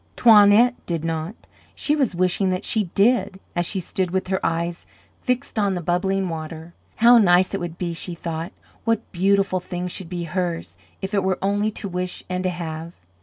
Toinette did not; she was wishing that she did, as she stood with her eyes fixed on the bubbling water. How nice it would be! she thought. What beautiful things should be hers, if it were only to wish and to have.